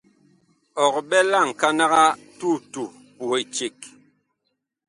Ɔg ɓɛ la ŋkanag a tutu puh eceg.